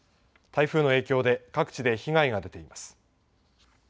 台風の影響で各地で被害が出ています。